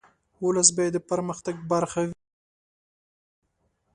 ولس باید د پرمختګ برخه وي.